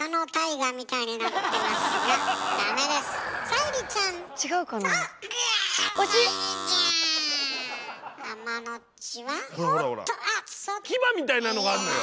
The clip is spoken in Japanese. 牙みたいなのがあんのよ。